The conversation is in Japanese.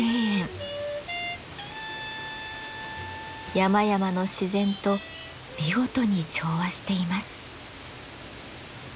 山々の自然と見事に調和しています。